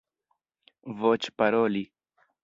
voĉparoli